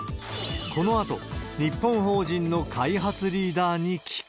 このあと、日本法人の開発リーダーに聞く。